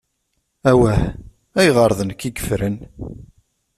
Awah! Ayɣer d nekk i yefren?